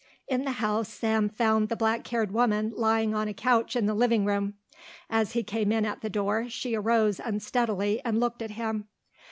In the house Sam found the black haired woman lying on a couch in the living room. As he came in at the door she arose unsteadily and looked at him.